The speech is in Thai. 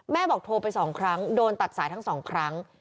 บอกโทรไป๒ครั้งโดนตัดสายทั้งสองครั้ง